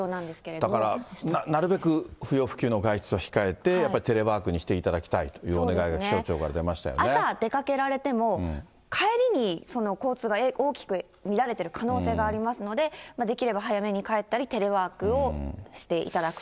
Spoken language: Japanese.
だからなるべく不要不急の外出は控えてやっぱり、テレワークにしていただきたいというお願いが気象庁から出ました朝、出かけられても、帰りに交通が大きく乱れてる可能性がありますので、できれば早めに帰ったり、テレワークをしていただくと。